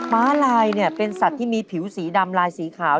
มะไลน์เป็นสัตว์ที่มีผิวสีดำลายสีขาว